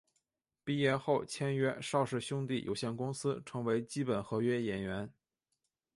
毕业后签约邵氏兄弟有限公司成为基本合约演员。